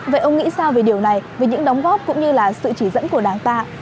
vậy ông nghĩ sao về điều này vì những đóng góp cũng như là sự chỉ dẫn của đảng ta